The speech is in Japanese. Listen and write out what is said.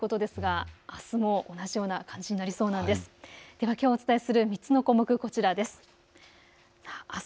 ではきょうお伝えする３つの項目こちらです。